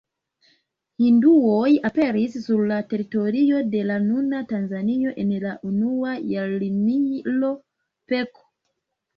Hinduoj aperis sur la teritorio de la nuna Tanzanio en la unua jarmilo pK.